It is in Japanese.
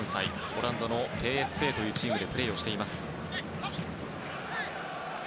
オランダのＰＳＶというチームでプレーしています。